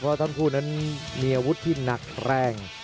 เพราะทั้งคู่นั้นมีอาวุธที่หนักแรง